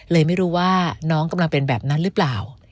เลยไม่รู้ว่าน้องกำลังเป็นแบบนั้นหรือเปล่า